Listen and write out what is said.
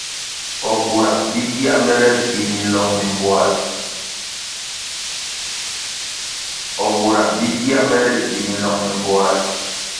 O bura bi gia mere ri gi minlong mi mbpoa ri?